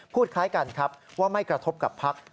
คล้ายกันครับว่าไม่กระทบกับพัก